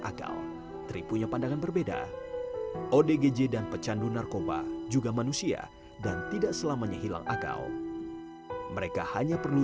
usai dari saya nyantri di sana saya amalkan itu ajaran suraya itu